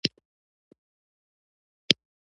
وون راته وویل چې دوه سوه مترو په فاصله کې خزانه ده.